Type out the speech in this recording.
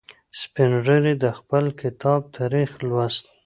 سپین ږیری د خپل کتاب تاریخ لوست.